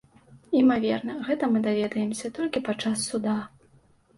Імаверна, гэта мы даведаемся толькі падчас суда.